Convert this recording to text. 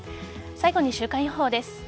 最後に週間予報です。